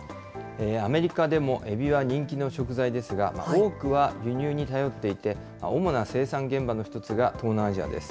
アメリカでもエビは人気の食材ですが、多くは輸入に頼っていて、主な生産現場の１つが東南アジアです。